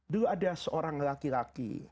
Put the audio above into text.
dulu ada seorang laki laki